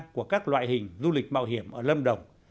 của các loại hình du lịch mạo hiểm ở lâm đồng